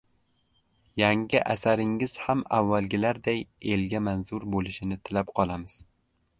— Yangi asaringiz ham avvalgilariday elga manzur bo‘lishini tilab qolamiz.